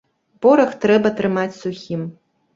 Порах трэба трымаць сухім.